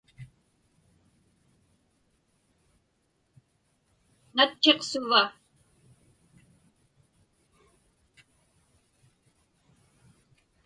Natchiq suva?